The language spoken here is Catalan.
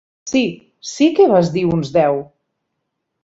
Sí, sí que vas dir uns deu.